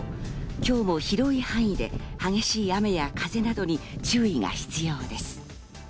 今日も広い範囲で激しい雨や風などに注意が必要です。